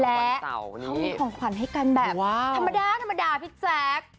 และเขามีของขวัญให้กันแบบธรรมดาธรรมดาพี่แจ๊ค